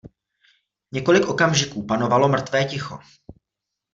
Několik okamžiků panovalo mrtvé ticho.